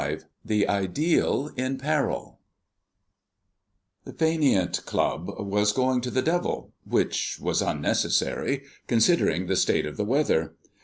V THE IDEAL IN PERIL The Fainéant Club was going to the devil, which was unnecessary, considering the state of the weather.